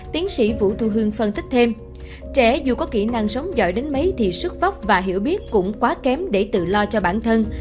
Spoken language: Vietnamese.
trẻ dù có kỹ năng sống giỏi đến mấy thì sức vóc và hiểu biết cũng quá kém để tự lo cho bản thân